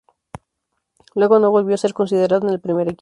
Luego no volvió a ser considerado en el primer equipo.